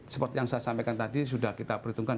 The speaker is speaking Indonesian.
seperti yang saya sampaikan tadi sudah kita perhitungkan